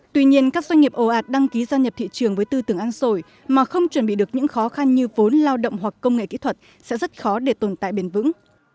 tuy nhiên các doanh nghiệp ồ ạt đăng ký gia nhập thị trường với tư tưởng ăn sổi mà không chuẩn bị được những khó khăn như vốn lao động hoặc công nghệ kỹ thuật sẽ rất khó để tồn tại bền vững